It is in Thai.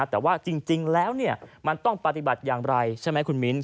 แต่ว่าจริงแล้วมันต้องปฏิบัติอย่างไรใช่ไหมคุณมิ้น